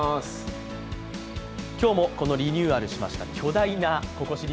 今日もリニューアルしました巨大な「ココ知り」